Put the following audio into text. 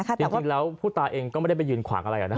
จริงแล้วผู้ตายเองก็ไม่ได้ไปยืนขวางอะไรนะ